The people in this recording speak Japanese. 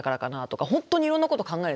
本当にいろんなこと考えるんですよね。